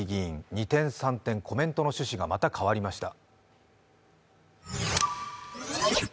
二転三転、コメントの趣旨がまた変わりました。